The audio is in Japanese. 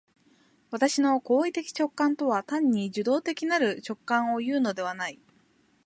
私の行為的直観とは単に受働的なる直覚をいうのではない。